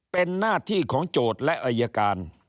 เป็นหน้าที่ของโจทย์และอายการ